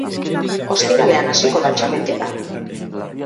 Ostiralean hasiko da txapelketa.